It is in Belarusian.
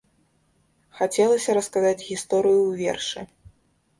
Хацелася расказаць гісторыю ў вершы.